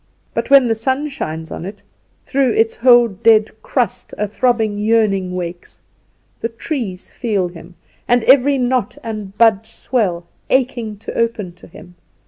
"But when its sun shines on it, through its whole dead crust a throbbing yearning wakes: the trees feel him, and every knot and bud swell, aching to open to him.